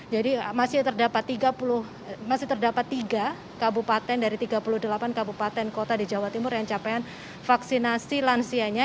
jadi masih terdapat tiga kabupaten dari tiga puluh delapan kabupaten kota di jawa timur yang capaian vaksinasi lansianya